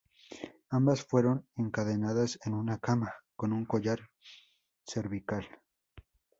Ambas fueron encadenadas en una cama con un collar cervical.